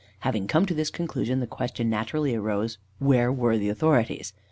Having come to this conclusion, the question naturally arose where were the authorities.